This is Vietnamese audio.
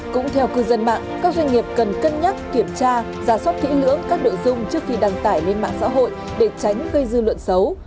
cũng theo cư dân mạng các doanh nghiệp cần cân nhắc kiểm tra giả soát kỹ lưỡng các nội dung trước khi đăng tải lên mạng xã hội để tránh gây dư luận xấu